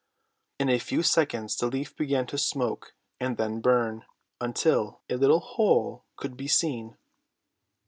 In a few seconds the leaf began to smoke, and then burn, until a little hole could be seen.